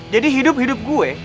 jadi hidup hidup gue